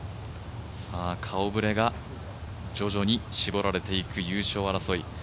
顔ぶれが徐々に絞られていく優勝争い。